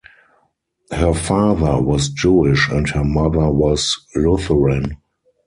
Her father was Jewish and her mother was Lutheran.